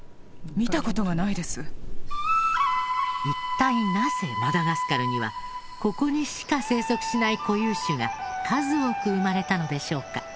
一体なぜマダガスカルにはここにしか生息しない固有種が数多く生まれたのでしょうか？